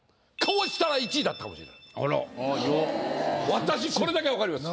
私これだけは分かります。